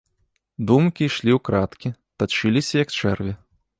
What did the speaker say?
Думкі ішлі ўкрадкі, тачыліся, як чэрві.